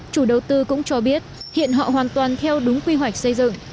chủ đầu tư cũng cho biết hiện họ hoàn toàn theo đúng quy hoạch xây dựng